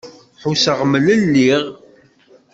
Ḥusseɣ mlelliɣ.